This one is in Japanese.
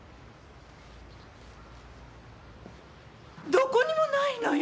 どこにもないのよ！